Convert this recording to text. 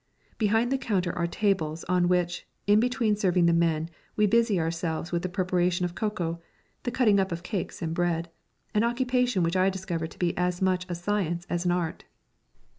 Behind the counter are tables, on which, in between serving the men, we busy ourselves with the preparation of cocoa, the cutting up of cakes and bread, an occupation which I discover to be as much a science as an art.